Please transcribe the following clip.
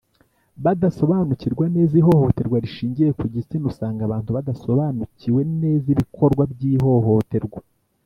badasobanukirwa neza ihohoterwa rishingiye ku gitsina Usanga abantu badasobanukiwe neza ibikorwa by ihohoterwa